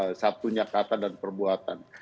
di sas sabtu nyakata dan perbuatan